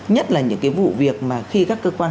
nhất là những cái vụ việc mà khi các cơ quan